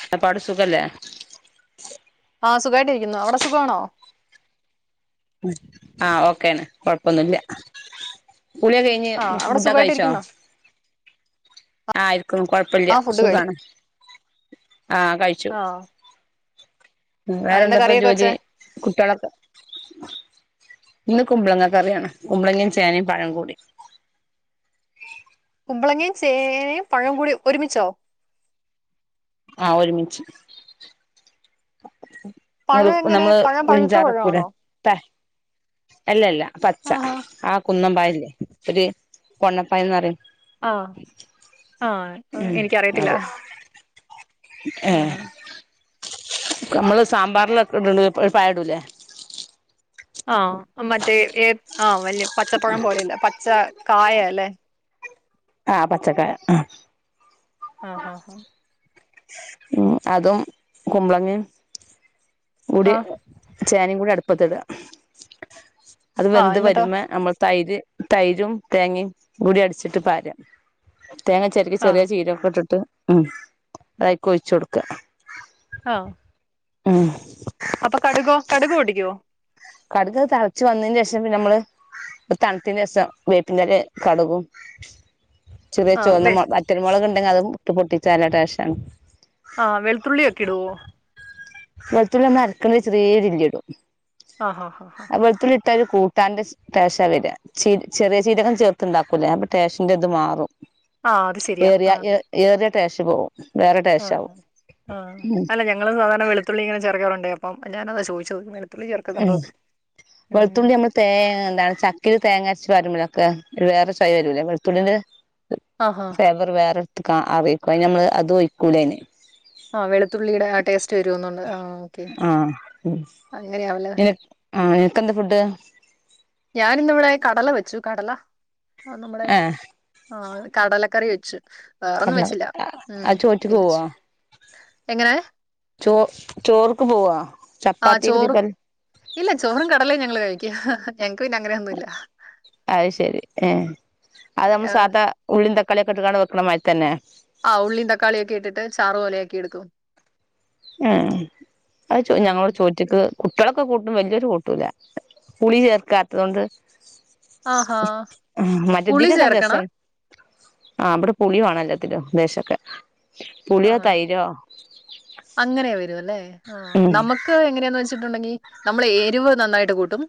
ത്താ പാട് സുഖല്ലേ ആ സുഖായിട്ടിരിക്കുന്നു അവടെ സുഖാണോ ആ ഓക്കേണ് കൊഴപ്പൊന്നുല്ല കുളിയൊക്കഴിഞ്ഞ് ആ അവിടെ ഫുഡൊക്കഴിച്ചോ സുഖമായിട്ടിരിക്കുന്നോ ആ ഇ - ക്കും ആ കൊഴപ്പല്ല്യ ഫുഡ് കഴി സുഖാണ് ആ കഴിച്ചു ആ ആ, എന്താ വേറെന്താപ്പ കറിയൊക്കെ ജോലി വെച്ചേ കുട്ട്യാളൊക്കെ ഇന്ന് കുമ്പളങ്ങ കറിയാണ് കുമ്പളങ്ങയും ചേനയും പഴംങ്ങൂടി കുമ്പളങ്ങയും ചേ നയും പഴം കൂടി ഒരുമിച്ചോ ആ ഒരുമിച്ച് പഴം എങ്ങനെ നമ്മള് പഴം പഴുത്ത പുളിഞ്ചാറക്കൂലെ പഴമാണോ ത്തെ അല്ല അല്ല പച്ച ആഹാ. ആ കുന്നമ്പയല്ലേ ഒരു പൊണ്ണപ്പഴന്ന് പറയും ആ ആ എനിക്കറിയത്തില്ല ഏ ആഹാ. നമ്മള് സാമ്പാറിലൊക്കെ ഇട്ണ് ഒരു പയടൂല്ലേ ആ മറ്റേ ഏത്ത ആ വലിയ പച്ചപ്പഴം പോലെ പച്ച കായ ലെ ആ പച്ചക്കായ ആ ആ അതും കുമ്പളങ്ങേം കൂടി ആ ചേനയും കൂടി അടു പ്പത്തു ഇട അത് ആ വെന്ത് എന്നിട്ടോ വരുമ നമ്മൾ തൈര് തൈരും തേങ്ങയും കൂടി അടിച്ചിട്ട് പാര തേങ്ങ ചെരകി ആ ചെറിയ ജീരകൊക്കെ ഇട്ടിട്ട് ഉം വഴുക്കെ ഒഴിച്ച് കൊടുക്ക ആഹ് ഉം അപ്പൊ കടുകോ കടുക് പൊട്ടിക്കുവോ കടുക് തിളച്ചു വന്നതിന് ശേഷം പിന്ന നമ്മള് തണുത്തിന് ശേഷം വേപ്പിന്റെ ഇലയും കടുകും ചെറിയ ആ വെ ചുവന്ന മുള വറ്റൽ മുളക് ഉണ്ടെങ്ക അത് ഇട്ട് പൊട്ടി ചലടഷാണ് [unintelligible] ആഹ് വെളുത്തുള്ളി ഒക്കിടുവോ വെളുത്തുള്ളി നമ്മ അരക്കേണ്ട ചെറിയ രീതിക്ക് ഇടും ആ ആ വെളുത്തുള്ളി ഒരു കൂട്ടാന്റെ ടേസ്റ്റാ വരിക ചെ ചെറിയ ജീരകം ചേർത്ത് ഉണ്ടാക്കൂല്ലേ അപ്പം ടേസ്റ്റിൻ്റെഅത് മാറും ആ അത് ശരിയാ ഏറിയ ഏ ഏറ ടേസ്റ്റു പോവും വേറെ ആ ടേസ്റ്റ് ആവും ആ ഉം അല്ല ഞങ്ങള് സാധാരണ വെളു തുള്ളി ഇങ്ങന ചേർക്കാറുണ്ട് അപ്പ ഞാന് അത ചോദിച്ചത് വെളുത്തുള്ളി ഉം ചേർക്കുന്നുണ്ടോന്ന് ഉം വെളുത്തുള്ളി നമ്മള് തേ എന്താണ് ചക്കേൽ തേങ്ങ അര വരുമ്പൊക്കെ വേറെ ചൈ വരൂല്ലേ വെളുത്തുള്ളിന്റെ ആഹാ ഫ്ലേവർ വേറെ ക്ക അറിയ്ക്ക അയ് ഞമ്മള് അതു വയ്ക്കൂലേന് ആ വെളുത്തുള്ളിയുടെ ആ ടെസ് രുന്നുണ്ട് ആ ഓക്കെ ആഹ് അങ്ങനെയാവ ആ ഏക്കെന്താ ഫുഡ്? ഞാനിന്നിവിടെ കടല വെച്ചു കടല ആ നമ്മടെ ഏഹ് ആ കടലക്കറി വെച് അതെയോ ആ ചോയ്ച്ചിക്ക് പിന്നെ പോകുവോ? എങ്ങനെ? ചോ ചോർക്ക് പോവോ? ആ ചപ്പാത്തിക്ക് ചോറും ചിക്കൻ ഇല്ല ചോറും കടലേ ഞങ്ങള് കഴി ഹ ഹ ഹ അയ് ശെരി ഏ അത് നമ്മള് സാധാ ഉള്ളീം തക്ക [unintelligible] ലേക്കിയെടുക്കും. ഉം അത് ചോ ഉം ഞങ്ങളോട് ചോയ്ചിക്ക്. കുട്ടികളൊക്കെ കൂട്ടും വല്ല്യൊരു കൂട്ടില്ല. പുളി ചേർക്കാത്തൊണ്ട് ആഹാ പുളി ചേർക്കണം? ആ ഇബടെ പുളി വേണം എല്ലാത്തിലും ലേശൊക്കെ. പുളിയോ തൈരോ? അങ്ങനെയാ വരുവല്ലെ? ആ ഉം നമ്മക്ക് എങ്ങനെയാന്ന് വെച് ണ്ടങ്കി നമ്മള് എരിവ് നന്നായിട്ട് കൂട്ടും.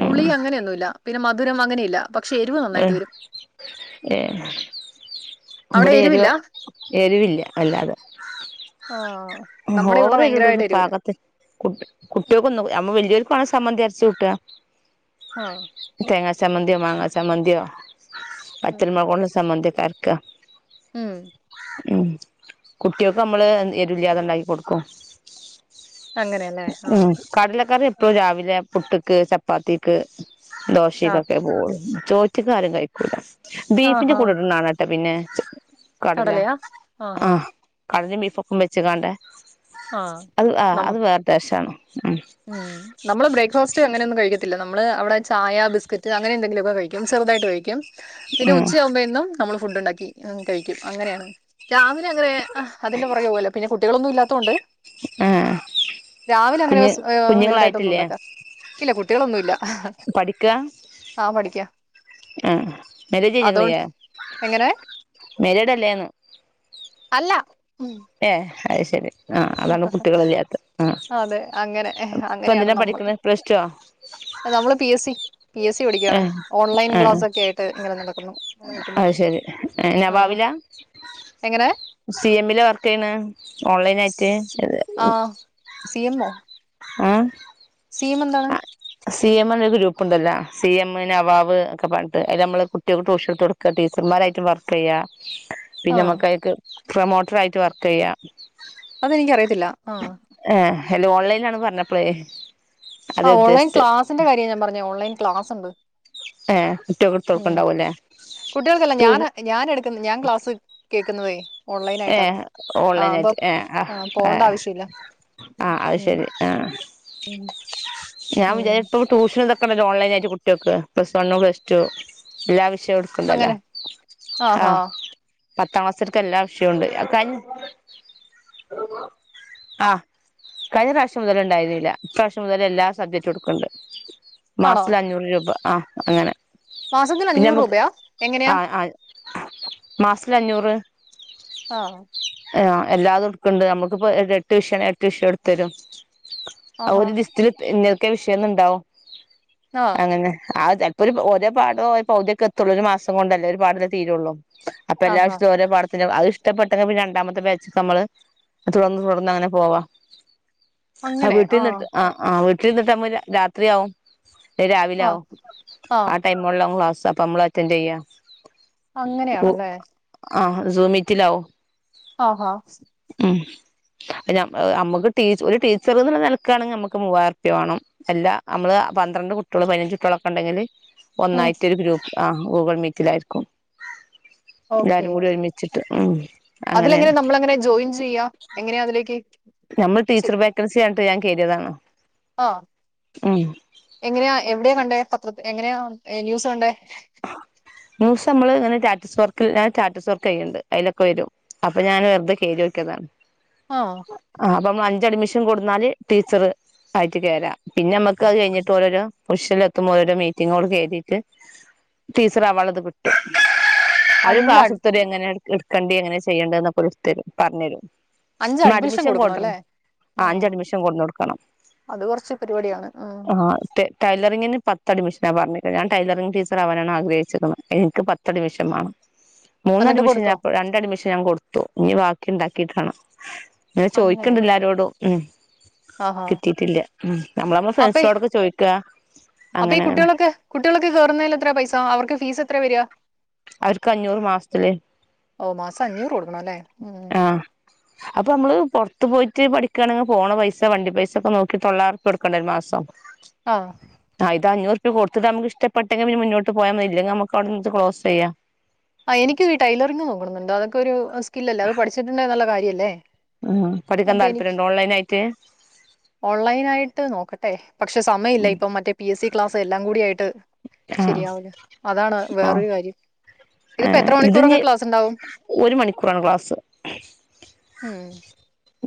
പുളി അങ്ങനെയൊന്നുമില്ല. പിന്നെ മധുരം അങ്ങനെയില്ല. പക്ഷെ എരിവ് എ നന്നായിട്ട് വരും ഏ അവിടെ എരിവില്ല ഇവിടെയെരുവ് എരുവില്ല വല്ലാതെ. ആഹ് നമ്മുടെ ഇവിടെ ഓവറിടൂല ഭയങ്കരമായിട്ട് എരിവ് വരും പാകത്തിന് കുട്ടി കുട്ട്യോക്കൊന്നും നമ്മ വല്ല്യോർക്കു സമ്മന്തി അരിച്ചുട്ടുവ. ആ തേങ്ങച്ചമ്മന്തിയോ മാങ്ങാച്ചമ്മന്തിയോ? [unintelligible] ഉം വറ്റൽ ഉം. മുളക് കൊണ്ട് സമ്മന്തി ക്ക ഉം ഉം കുട്ടിയൊക്കമ്മള് എൻ എരി ല്ലങ്കി അതുണ്ടാക്കി കൊടുക്കും. അങ്ങനെയല്ലേ ആഹ് ഉം കടലക്കറി ഇപ്പോ രാവിലെ പുട്ട്ക്ക് ചപ്പാത്തിക്ക് ആഹ് ദോഷികക്കെ പോവൊള്ളൂ ചോറ്റിക്കാരും കഴിക്കൂല ബീഫിന്റെ ആഹാ കൂടെ നണാട്ട പിന്നെ കടലയാ ആഹഹാ കടും ബീഫ് [unintelligible] ചക്കണ്ടേ ആ നമ്മ ഉം ഉ നമ്മള് ബ്രേക്ക്ഫാസ്റ്റ് അങ്ങനെയൊന്നും കഴി നമ്മ അവിടെ ചായ ബസ്ക്കറ്റ് അങ്ങനെ എന്തെിലൊക്കെ കഴിക്കും ചെറുതായിട്ട് കഴിക്കും പിന്നെ ഉം ഉച്ചയാവുമ്പന്നും നമ്മള് ഫുഡ് ഉണ്ടാക്കി കഴിക്കും അങ്ങനെയാണ് രാവിലെങ്ങനെ അതിന്റെ പുറകെ പോവല്ലോ പിന്നെ കു കുട്ടികളൊന്നും ഇല്ലാ ത്തൊണ്ട് ആഹ അങ്ങനെ കുഞ്ഞ് വലുതായിട്ടൊന്നും കുഞ്ഞുങ്ങളായിട്ടില്ലേ ഉണ്ടാക്കാ ഇല്ല കുട്ടികളൊന്നുമില്ല പഠിക്കാ ആ പഠിക്കാ ആ മെരേജ് കൈയിഞ്ഞികന്നിലെ അതുകൊണ്ട് എങ്ങനെ മാരീഡ് അല്ലേന്ന് അല്ല ഉം ഏഹ അത് ശരി ആ അതാണ് കുട്ടികളില്ലാത്ത ആ അതെ അങ്ങനെ ഇപ്പൊ അങ്ങനെയാണ് എന്തിനാ നമ്മള് പഠിക്കുന്നത് പ്ലസ് ടു ആ നമ്മള് P S C P S C പഠിക്കുകയാണ് ഓൺലൈൻ ആ ക്ലാസ് ഒക്കെ ആയിട്ട് ഇങ്ങനെ നടക്കുന്നു അങ്ങനെ നിൽക്കുന്നു അ ശരി ആ നവാബിലാ എങ്ങനെ സി എമ്മില് വർക്ക് ഓൺലൈൻ ആയിട്ട് ആ സി എം ഒ ഉം സി എം ഒരു ഗ്രൂപ്പുണ്ടല്ലോ സി എം നവാവ് ഒക്കെ പഞ്ഞിട്ട് അതിൽ നമ്മൾ കുട്ടികൾക്ക് ട്യൂഷ്യൽ കൊടുക്കുക ടീച്ചർമാരായിട്ടും വർക്കെയ്യ ആഹ് പിന്നെമകയിക്ക് പ്രൊമോട്ടർ ആയിട്ട് വർക്കെയ്യ അതെനിക്ക അറിയത്തില്ല ആ ഹലോ ഓൺലൈൻ ആണ് പറഞ്ഞപ്പളേ ആ അതാ ഓൺലൈ ഉദ്ദേശിച്ചെ ക്ലാസിന്റെ കാര്യം ഞാൻ പറഞ്ഞെ ഓൺലൈൻ ക്ലാസ് സംഭ് ഏ ഉം കുട്ടികൾക്കല്ല ട്യൂഷൻ ഞാന് ഞാൻ എടുക്കുന്ന ഞാൻ ക്ലാസ് കേ കേൾക്കുന്നതെ ഏഹ ഓൺലൈന ആയിട്ട് ആ ആഹ് ആ പോണ്ട ആവശ്യമില്ല ആ അത് ഉം ശരി ആ ഞാൻ ഉം വിചാരി ഇപ്പ ട്യൂഷൻ ഓൺലൈൻ ആട്ട് കുട്ടികൾക്ക് പ്ലസ് വൺ പ്ലസ്റ്റു എല്ലാ വിഷയവും എടുക്കണ്ടല്ലോ അങ്ങനെ ആഹഹാ ആഹ് പത്താം ക്ലസ്സർക്കെല്ലാം പ്രക്ഷുണ്ട് കഴി ആ കഴിഞ്ഞ പ്രാവശ്യം മുതല് ഉണ്ടായിരുന്നില്ല ഇപ്രാവശ്യം മുതൽ എല്ലാ സബ്ജറ്റുക്കൾക്കും എടുക്കണ്ട് ആണോ മാസൽ അഞ്ഞൂറ് രൂപ ആ അങ്ങനെ മാസത്തിൽ അഞ്ഞൂറ് രൂപയാ എങ്ങനെയാ, മാസൽ അഞ്ഞൂറ് ആഹ ആ എല്ലാതും എടുക്കുണ്ട് നമ്മക്കിപ്പൊ എട്ട് വിഷയം എട്ട് വിഷയം എടുത്ത് തരും ആ ആഹാ ഒരു ദിസ്ത്തില് ഇന്നത് ഒക്കെ വിഷയന്നണ്ടാവും ആഹ് അങ്ങനെ ആതെം ഒരു ഒരേ പാടോ പൗതിയൊക്കെ എത്ര ഒരു മാസം കൊണ്ടല്ലേ ഒരു പാടല്ലേ തീരുയള്ളൂ അപ്പൊ എല്ലാ ആഹാ വശത്തും ഒരെ പടാ അത് ഇഷ്ടപ്പെട്ടെങ്കിൽ പിന്നെ രണ്ടാമത്തെ ബാച്ച് നമ്മള് തുടർന്ന് തുടർന്ന് അങ്ങനെ പോവാ ആ അങ്ങനെ വീട്ടിൽ ആഹ് നട്ട് ആ ആ വീ ഇരിന്നിട്ട് നമ്മ രാത്രിയാവും രാവിലെ ആഹ് ആവും ആഹ് ആ ടൈമേ ഉള്ളോ ക്ലാസ് അപ്പം നമ്മൾ അറ്റൻഡ് ചെയ്യാം അങ്ങനെയാണല്ലേ ആഹ് സു മിത്തിലാവ് ആഹ് ഹ ഉ ന അമ്മക്ക് ടീച് ഒരു ടീച്ചർന്നുള്ള നിലക്കാണെങ്കിൽ നമ്മുക്ക് മൂവായിരുപ്യ വേണം അല്ല നമ്മള് പന്ത്രണ്ട് കുട്ടികള് പതിനഞ്ച് കുട്ടികളൊക്കെ ഉണ്ടെങ്കില് ഉം ഒന്നായിട്ട് ഒരു ഗ്രൂപ്പ് ആ ഗൂഗിൾ മീ തിരക്കിലാരിക്കും ഓക്കെ എല്ലാരും കൂടി ഒരുമിച്ചിട്ട് ഉം അങ്ങനെയാണ് ചെയ്യാം എങ്ങനെയാ അതിലേക്ക് [unintelligible] നമ്മൾ ടീച്ചർ വേക്കെൻസി അ ഞാൻ കയറിയതണോ ആഹ് എങ്ങനെയാ എവിടെയാ കണ്ടേ പത്രത്തി- എങ്ങനെയാ ന്യൂസ് കണ്ടേ ന്യൂസ് നമ്മള് ഇങ്ങനെ സ്റ്റാസ്റ്റസ് വർക്ക് ഞാൻ സ്റ്റാസ്റ്റസ് വർക്ക് ചെയ്യാണ്ട് അതിലൊക്കെ വരും അപ്പൊ ഞാൻ വെറുത കേയറി നോക്കിയതാണ് ആഒ പ്പം അഞ്ച് അഡ്മിഷൻ കൊട്ന്നാല് ടീച്ചർ ആയിട്ട് കേര പിന്നെ മ്മക്ക് അത് കഴിഞ്ഞിട്ട് ഓരോര [unintelligible] എത്തുമ്പോ ഓരോരോ മീറ്റിങ്ങ്ലൂടെ കേറിയിട്ട് ടീച്ചറാവാള്ളത് [unintelligible] അത് അഞ്ച് അഡ് ക്ലാസ്സ്‌ട്ത്തെരു എങ്ങനെ എട്ക്ക്‌ കണ്ടി എങ്ങനെ ചെയ്യണ്ടൊന്നൊക്കോരു ഇത് തരും പറഞ്ഞു തരും അഞ്ച് മ്മള് അഡ്മിഷൻ കൊടുക്കണം കൊണ്ടര് അല്ലേ ആ അഞ്ച് അഡ്മിഷൻ കൊണ്ടന്നൊട്ക്കണം അത് കുറച്ച് പരിപാടിയാണ് ഉം ആ [unintelligible] ങ്ങിന് പത്തു അഡ്മിഷനാ പറഞ്ഞേക്കുന്നെ ഞാൻ ടൈലറിങ് ടീച്ച് ആവാനാണ് ആഗ്രഹിച്ചിക്ക്ണെ ഇൻക്ക് പത്തു അഡ്മിഷൻ വേണം. മൂന്ന് എന്നിട്ട് അഡ്മിഷൻ കൊടുത്തോ ഞാൻ പ്പൊ രണ്ട് അഡ്മിഷൻ ഞാൻ കൊട് ത്തു ഞ്ഞി ബാക്കി ണ്ടാക്കിട്ടാണം ങ്ങനെ അങ്ങനെ ചോയ്ക്ക്ണ്ടെല്ലാരോടും. ഉം ആഹാ കിട്ടിയിട്ടില്ല ഉം നമ്മള് നമ്മളെ അപ്പെ ഫ്രണ്ട്സിനോടൊക്കെ ചോദിക്കാ അപ്പഈ അങ്ങനെ അങ്ങനെ കുട്ട്യാളൊക്കെ കുട്ട്യാളൊക്കെ കേറുന്നേൽ എത്രെ പൈസ സ അവർക്ക് ഫീസ് എത്രെ വര അവർക്ക് അഞ്ഞൂറ് മാസ്ത്തില് ഓ മാസം അഞ്ഞൂറ് കൊടുക്കണം അല്ലേ ഉം ആഹ് അപ്പൊ മ്മള്പൊർ ത്ത് പോയിറ്റ് പഠിക്കാണെങ്ങ് പോണ പൈസ വണ്ടി പൈസ ഒക്കെ നോക്കി തൊള്ളായിരുർപ്യോട്ക്കണ്ടേ ഒരു മാസം ആ ആയിതാഞ്ഞൂറ് പ്പ കൊട്ത്ത്ട്ട് നമുക്ക് ഇഷ്ടപ്പെട്ടെങ്കിപിന്നെ മുന്നോട്ട് പോയാമതി ഇല്ലെങ്കി നമുക്ക് ഔട്ന്ന്ച്ച് ക്ലോസ് ചെയ്യ ആ എനിക്കും ഈ ടൈലറിങ് നോക്കണമെന്നുണ്ട് അതൊക്കെ ലെ ഉം പഠിക്കാൻ അപ്പെനിക്ക് താല്പര്യണ്ടോ ഓൺലൈൻ ആയിട്ട് ഓൺലൈനായിട്ട് നോക്കട്ടെ പക്ഷെ സമയല്ല ഇപ്പം മറ്റേ പി എസ് സി ക്ലാസ്സെല്ലാം കൂടിയായിട്ട് ആഹ് ശരിയാവൂല അതാണ് ആഹ് വേറൊരു കാര്യം ഇത്പ്പോ ഏഹ് എത്ര മണിക്കൂറൊക്കെ ഇതിഞ്ഞ് ക്ലാസ് ണ്ടാവും ഒരു മണിക്കൂറാണ് ക്ലാസ്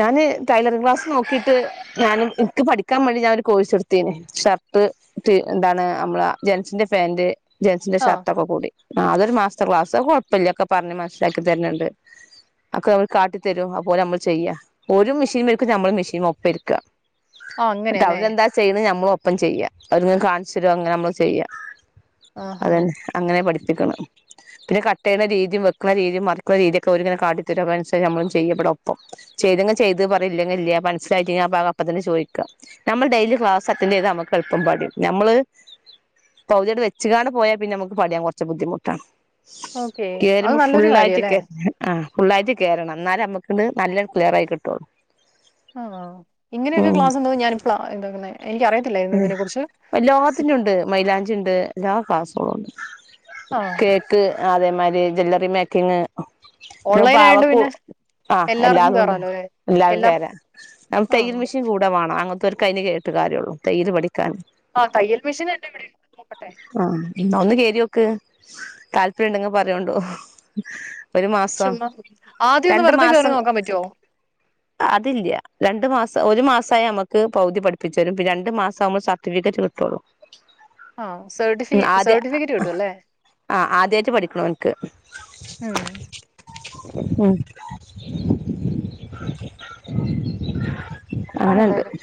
ഞാന് ടൈലറിംഗ് ക്ലാസ്സ് നോക്കിട്ട് ഞാനും ഇക്ക് പഠിക്കാൻ വേണ്ടി ഞാഒരു കോഴ്സ് എടുത്തീനി. ഷർട്ട് ത് എന്താണ് അമ്മളെ ജെന്സിന്റെ പാന്റ് ജെൻസിന്റെ ആഹ് ഷർട്ടൊക്കെ കൂടി ആതൊരു മാ സ്‌തെ ക്ലാസ് കൊഴ്പ്പല്ലൊക്കെ പറഞ്ഞ് മൻസ്സിലാക്കി തർന്ണ്ട്. ഒക്കെ മ്മക്ക് കാട്ടി തരും അഹ്പ്പോലെ മ്മ ങ്ങട്ട് ആഹ് അവ് അങ്ങനെയല്ലേ രെന്താ ചെയ്ണ് അമ്മോ പ്പം ചെയ്യ അവര്ങ്ങനെ കാണിച്ചരോ ങ്ങനെമ്മള് ചെയ്യ. ആഹാ അതെ അങ്ങനെ പഠി ത്തിക്കണം പിന്നെ കട്ടെയ്യണ രീതിം വെക്ക്ണ രീതിം മറിക്ക്ണ രീത്യോക്കെ ഓരിങ്ങനെ കാട്ടിത്തരും അപ്പയ്നൻസരി നമ്മൾങ്ങനെ ചെയ്യ ബടൊപ്പം. ചെയ്തെങ്ങി ചെയ്ത് പറിയാ യില്ലെങ്കി ല്ല്യാ മൻസിലായിട്ടില്ല പ്പ ആ അപ്പ തന്നെ ചോയ്ക്ക നമ്മൾ ഡെയിലി ക്ലാസ് അറ്റന്റ് ത ഓക്കേ അത് കേറുമ്പോ നല്ലൊരു ഫുള്ളായിട്ട് കാര്യല്ലേ കേ ആഹ് ഫുുള്ളായിട്ട് കേറണം ന്നാലമ്മക്ക് ണ്ട് നല്ല ക്ലിയറായി കിട്ടോള്ളൂ. ആഹ് ഇങ്ങനെയൊക്കെ ക്ലാസ് ഉണ്ടെന്ന് ഞാനിപ്പഴ കേൾക്കുന്നേ എനിക്ക് അറിയത്തില്ലായിരുന്നു ഇതിനെ കുറിച്ച് എല്ലാത്തിനും ഓ ആഹ് കേക്ക് ആദ്യമായി ജ്യവലറി മേക്കിംഗ് പിന്നെ ഓൺലൈൻ ആയോണ്ട് പാവക്ക പിന്നെ ആ എല്ലാർക്കും എല്ലാതുമുണ്ട് കേറാലോ അല്ലെ എല്ലാ എല്ലാർക്കും കോര ന തയ്യൽ ആഹ് മെഷീൻ കൂടെ വേണം അങ്ങ ഇവർക്ക് അതിന് കേട്ട് കാര്യുള്ളൂ തയ്യൽ പഠി ക്കാൻ ആഹ് തയ്യൽ മെഷീൻ എന്റെ ഇവിടെ ഉണ്ട് നോക്കട്ടെ ആഹ് എന്ന ഒന്ന് കേറി നോ ഓക്കെ താല്പര്യം ഉണ്ടെങ്കിൽ പറയണ്ടോ ഒരു മാസം ചുമ്മാ ആദ്യം ഒന്ന് രണ്ട് വെറുതെ കേറി മാസം നോക്കാൻ പറ്റുവോ അതില്ല രണ്ട് മാസം ഒരു മാസായി നമുക്ക് പൗതി പഠിപ്പിച്ചു തരും രണ്ടു മാസം ആവുമ്പോൾ സർട്ടിഫിക്കറ്റ് കിട്ടുള്ളൂ ആഹ് സർട്ടിഫി ഉം ആദ്യ സർട്ടിഫിക്കറ്റ് കിട്ടും അല്ലേ ആഹ് ആദ്യായിട്ട് പഠിക്ക്ണോൻക്ക് ഉം ഉം നോക്കാമെന്തായാലും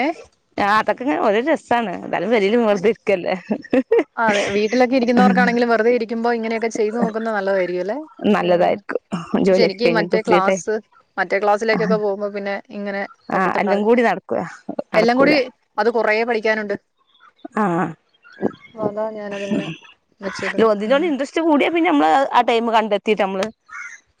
[inaudible] എ ഇതക്കങ്ങനെ ഒരു രസാണ് എതാലും പെരേല് വെറുതെ ഇരിക്ക അല്ലേ രിക്കുമ്പോ ഇങ്ങനെയൊക്കെ ചെയ്തു നോക്കുന്നത് നല്ലതായിരിക്കും അല്ലേ ആഹ് നല്ലതായിരിക്കും പക്ഷെ ജോലിയൊക്കെ എനിക്ക് കഴിഞ്ഞിട്ട് മറ്റേ ഫ്രീ ടൈം ക്ലാസ്സ് മറ്റേ ക്ലാസ്സിലേക്കൊക്കെ പോകുമ്പോ പിന്നെ ഇങ്ങനെ ആ എല്ലാം പറ്റത്തുണ്ടാവില്ല കൂടി നടക്കൂല എല്ലകൂടി അത് കൊറേ പളിക്കാനുണ്ട് ആഹ് ഞാനതിങ്ങനെ വെച്ചേക്കുന്നെ ഉം അതിനോട് ഇൻട്രസ്റ്റ് കൂടിയ പിന്നെ നമ്മള് അ ടൈം കണ്ടെത്തിട്ട് നമ്മള്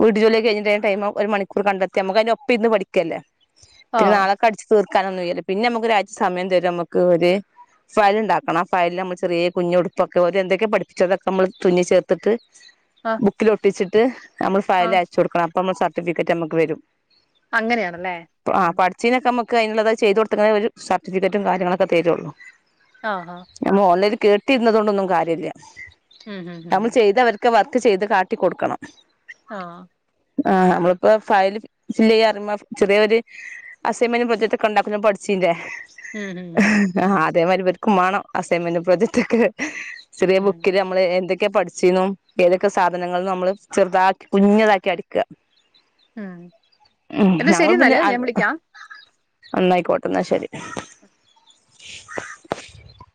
വീട് ജോലി കഴിഞ്ഞിട്ട് ടൈം ഒരു മണിക്കൂർ കണ്ടെത്തി നമുക്ക് അതിന് ഒപ്പം ഇരുന്ന് പഠിക്കല്ലേ പിന്നെ ആഹ് നാളെക്കെ അടിച്ചു തീർക്ക കൊടുക്കാനൊന്നുമില്ലല്ലേ പിന്നെ നമുക്ക് ഒരാഴ്ച സമയം തരും നമുക്ക് ഒരു ഫയൽ ഉണ്ടാക്കണം ആ ഫയല് നമ്മൾ ചെറിയെ കുഞ്ഞുടുപ്പൊക്കെ ഓര് എന്തൊക്കെ പഠിപ്പിച്ചതൊക്ക നമ്മൾ തുന്നി ചേർത്തിട്ട് ആഹ് ബുക്കില് ഒട്ടിച്ചിട്ട് നമ്മൾ ഫയല് ആഹ് അയച്ചു കൊടുക്കണം അപ്പ നമ്മൾ സർ സർട്ടിഫിക്കറ്റ് നമുക്ക് വരും അങ്ങനെയാണല്ലേ ഉം കഴിഞ്ഞുള്ളത് ചെയ്ത് കൊടുത്തനെ അവർ സർട്ടിഫിക്കറ്റും കാര്യങ്ങളൊക്കെ തരൊള്ളൂ ആഹാ നമ്മൾ ഓൺലൈനിൽ കേട്ട് തിന്നെതൊണ്ടോന്നും കാര്യല്ല ഉം ഉം ഉം നമ്മൾ ചെയ്ത വർക്ക് വർ ചെയ്ത് കാട്ടി കൊടുക്കണം ആഹ് ആഹ് നമ്മളിപ്പോ ഫയല് ഫില്ല് ചെയ്യാ അറുമ്പോ ചെറിയെ ഒര് അസൈൻമെന്റും പ്രൊജക്ട് ഒക്കെ ഉണ്ടാക്കുന്നെ [unintelligible] പഠിച്ചിലെ ഉം ഉം ഉം അതേമാതിരി ഇവർക്കും മാേണം അസൈൻമെന്റ് പ്രോജക്ട് [unintelligible] ഒക്കെ ചെറിയ ഉം ബുക്കിൽ നമ്മള് എന്തൊക് ക്കെ പഠിച്ചിന്നും ഏതൊക്കെ സാധനങ്ങൾ നമ്മള് ചെറുതാക്കി കുഞ്ഞതാക്കി അടിക്ക ഉം എന്നാ ശരിന്നാല് ഞാൻ വിളിക്കാം നന്നായിക്കോടെ ന്നാ ശരി